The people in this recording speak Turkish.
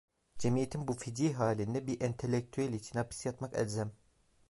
Cemiyetin bu feci halinde bir entelektüel için hapis yatmak elzem.